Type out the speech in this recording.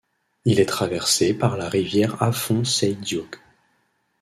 Il est traversé par la rivière Afon Ceidiog.